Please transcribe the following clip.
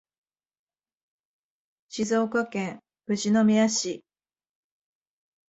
静岡県富士宮市